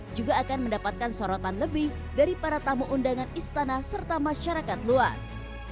juga akan mendapatkan sorotan lebih dari para tamu undangan istana serta masyarakat luas